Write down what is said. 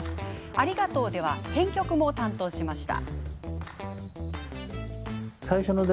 「ありがとう」では編曲も担当しました。